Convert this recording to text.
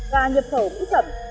và nhập khẩu nữ phẩm